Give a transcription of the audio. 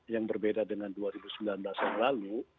yang berbeda dengan dua ribu sembilan belas yang lalu